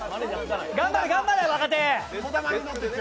頑張れ、頑張れ、若手！